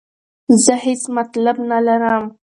زه هیڅ مطلب نه لرم.